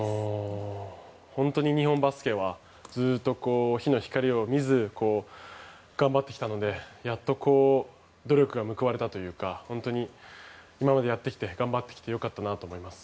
本当に日本バスケはずっと日の光を見ず頑張ってきたのでやっと努力が報われたというか本当に今までやってきて頑張ってきてよかったなと思います。